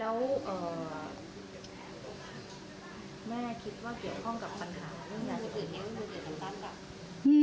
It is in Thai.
แม่คิดว่าเกี่ยวข้องกับปัญหามันอยากจะเกี่ยวกับเกี่ยวกับเด็กต่างล่ะ